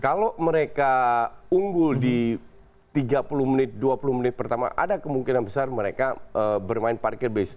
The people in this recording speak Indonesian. kalau mereka unggul di tiga puluh menit dua puluh menit pertama ada kemungkinan besar mereka bermain parkir base